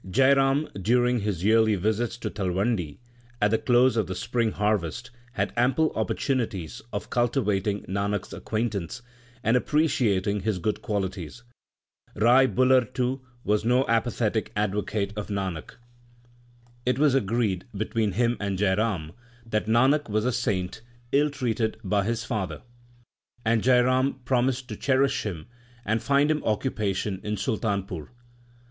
Jai Ram, during his yearly visits to Talwandi at the close of the spring harvest, had ample oppor tunities of cultivating Nanak s acquaintance, and appreciating his good qualities. Rai Bular, too, was no apathetic advocate of Nanak. It was agreed 32 THE SIKH RELIGION between him and Jai Ram that Nanak was a saint ill treated by his father ; and Jai Ram promised to cherish him and find him occupation in Sultanpur.